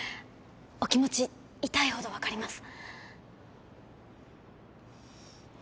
お気持ち痛いほど分かります。